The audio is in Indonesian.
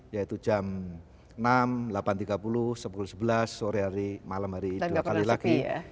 yaitu jam enam delapan tiga puluh sepuluh sebelas sore hari malam hari dua kali lagi